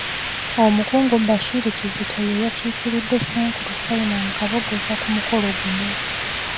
Omukungu Bashir Kizito ye yakiikiridde Ssenkulu Simon Kaboggoza ku mukolo guno.